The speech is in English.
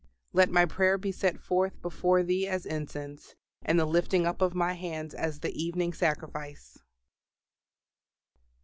"LET MY PRAYER BE SET FORTH BEFORE THEE AS INCENSE: AND THE LIFTING UP OF MY HANDS AS THE EVENING SACRIFICE."